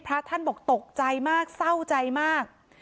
พระท่านบอกตกใจมากเศร้าใจมาก